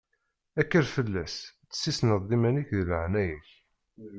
Kker fell-as, tessisneḍ-d iman-ik di leɛnaya-k!